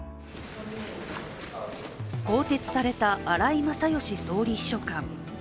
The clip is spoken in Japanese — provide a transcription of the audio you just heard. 更迭された荒井勝喜総理秘書官。